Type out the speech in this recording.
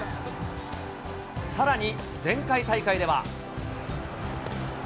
さらに前回大会では。